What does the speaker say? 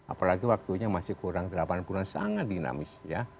apalagi waktunya masih kurang delapan bulan sangat dinamis ya